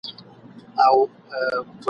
چي د بل لپاره ورور وژني په تور کي !.